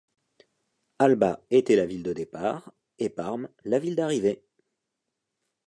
Alba était la ville de départ et Parme la ville d'arrivée.